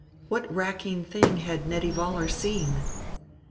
What racking thing had Nettie Vollar seen?